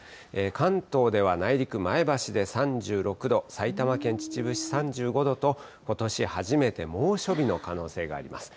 関東では内陸、前橋で３６度、埼玉県秩父市３５度と、ことし初めて猛暑日の可能性があります。